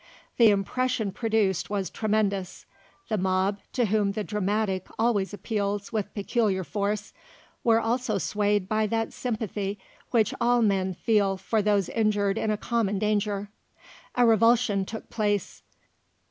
The impression produced was tremendous. The mob, to whom the dramatic always appeals with peculiar force, were also swayed by that sympathy which all men feel for those injured in a common danger. A revulsion took place.